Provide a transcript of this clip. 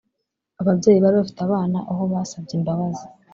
Ababyeyi bari bafite abana aho basabye imbabazi